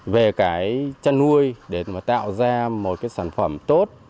về cái chăn nuôi để mà tạo ra một cái sản phẩm tốt